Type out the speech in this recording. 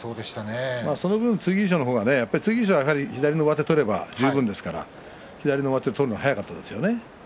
その分剣翔の方が左の上手を取れば十分ですから上手を取るのが速かったですね。